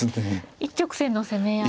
一直線の攻め合いに。